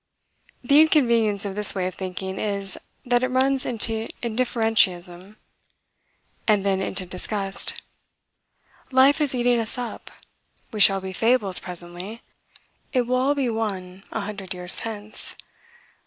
The inconvenience of this way of thinking is, that it runs into indifferentism, and then into disgust. Life is eating us up. We shall be fables presently. Keep cool: it will be all one a hundred years hence.